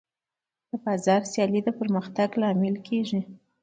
د بازار سیالي د پرمختګ لامل کېږي.